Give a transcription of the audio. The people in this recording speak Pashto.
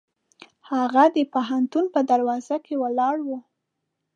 هغه د پوهنتون په دروازه کې ولاړ و.